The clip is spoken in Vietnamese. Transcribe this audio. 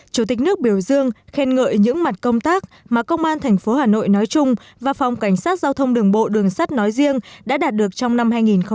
chủ tịch nước biểu dương khen ngợi những mặt công tác mà công an tp hà nội nói chung và phòng cảnh sát giao thông đường bộ đường sắt nói riêng đã đạt được trong năm hai nghìn hai mươi ba